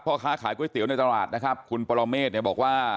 พ่อค้าขายก๋วยเตี๋ยวในตลาดนะครับคุณปรเมฆเนี่ยบอกว่า